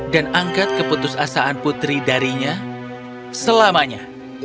dan angkat keputusasaan putri darinya selamanya